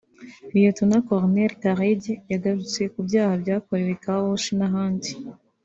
Rtd Col Karege yagarutse ku byaha byakorewe ‘Car Wash’ n’ahandi